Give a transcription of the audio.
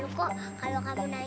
udah udah udah